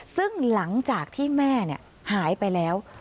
ซึ่งหลังจากที่แม่หายไปแล้ว